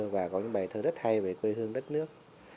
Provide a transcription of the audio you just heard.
và có những bài thơ rất hay về quê hương đất nước